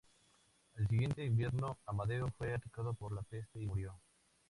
Al siguiente invierno, Amadeo fue atacado por la peste y murió.